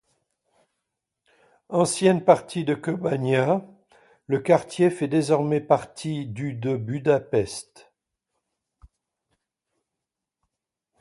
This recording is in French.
Ancienne partie de Kőbánya, le quartier fait désormais partie du de Budapest.